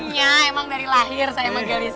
nah emang dari lahir saya magelis